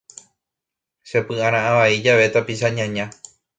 Chepy'ara'ã vai jave tapicha ñaña.